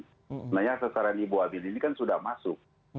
sebenarnya sasaran ibu abidin ini kan sudah masuk